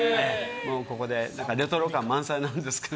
ここでレトロ感満載ですけど。